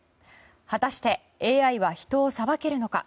果たしてＡＩは人を裁けるのか。